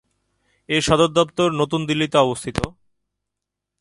এর সদর দপ্তর নতুন দিল্লিতে অবস্থিত।